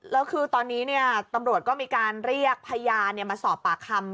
แล้วคือตอนนี้ตำรวจก็มีการเรียกพยานมาสอบปากคำ